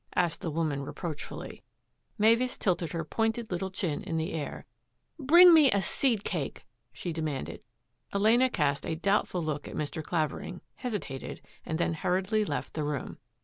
asked the woman reproachfully. Mavis tilted her pointed little chin in the air. " Bring me a seed cake," she commanded. Elena cast a doubtful look at Mr. Clavering, hesitated, and then hurriedly left the room.